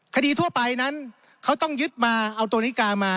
คดีทั่วไปนั้นเขาต้องยึดมาเอาตัวนิกามา